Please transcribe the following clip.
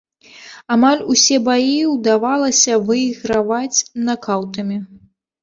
Амаль усе баі ўдавалася выйграваць накаўтамі.